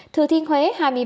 thừa thiên huế hai mươi ba